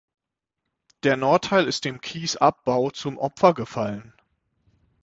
Der Nordteil ist dem Kiesabbau zum Opfer gefallen.